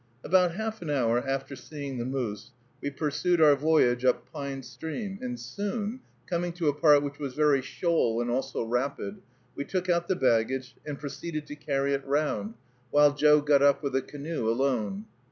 About half an hour after seeing the moose, we pursued our voyage up Pine Stream, and soon, coming to a part which was very shoal and also rapid, we took out the baggage, and proceeded to carry it round, while Joe got up with the canoe alone.